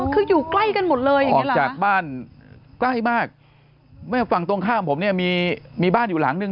คืออยู่ใกล้กันหมดเลยอ่ะจากบ้านใกล้มากแม่ฝั่งตรงข้ามผมเนี่ยมีบ้านอยู่หลังนึง